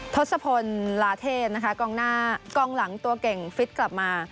ทศพลลาเทศกล้องหลังตัวเก่งฟิตกลับมา